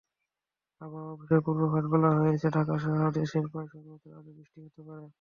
আবহাওয়া অফিসের পূর্বাভাসে বলা হয়েছে, ঢাকাসহ দেশের প্রায় সর্বত্র আজও বৃষ্টি হতে পারে।